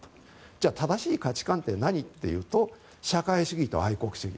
じゃあ正しい価値観って何？というと社会主義と愛国主義